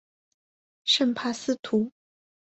圣帕斯图。